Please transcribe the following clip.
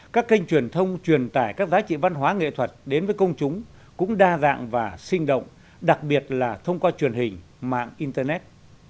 các kênh truyền thông truyền tải các giá trị văn hóa nghệ thuật đến với công chúng cũng đa dạng và sinh động đặc biệt là thông qua truyền hình mạng internet